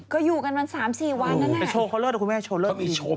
ก็อยู่กัน๓๔วันนั่นแหละ